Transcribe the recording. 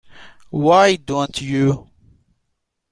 Why Don't You?